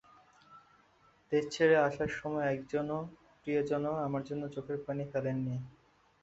দেশ ছেড়ে আসার সময় একজন প্রিয়জনও আমার জন্য চোখের পানি ফেলেননি।